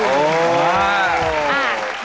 โอ้โห